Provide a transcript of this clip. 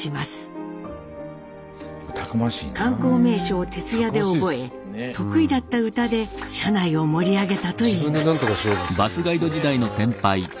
観光名所を徹夜で覚え得意だった歌で車内を盛り上げたといいます。